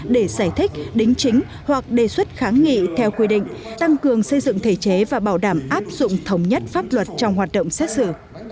để giải thích đính chính hoặc đề xuất kháng nghị theo quy định tăng cường xây dựng thể chế và bảo đảm áp dụng thống nhất pháp luật trong hoạt động xét xử